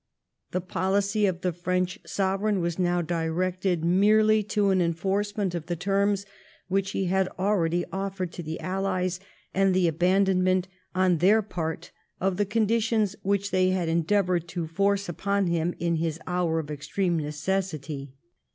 The policy of the French Sovereign was now directed merely to an enforcement of the terms which he had already offered to the Allies, and the abandonment on their part of the conditions which they had endeavoured to force upon him in his hour of extreme necessity.